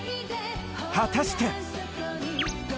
果たして？